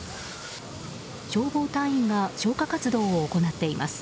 消防隊員が消火活動を行っています。